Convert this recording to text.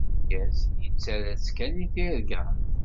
Amedyaz, yettarra-tt kan i tirga.